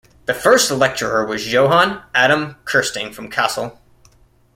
The first lecturer was Johann Adam Kersting from Kassel.